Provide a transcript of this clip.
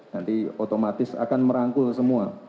nanti otomatis akan merangkul semua